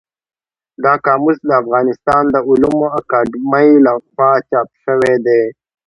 دا قاموس د افغانستان د علومو اکاډمۍ له خوا چاپ شوی دی.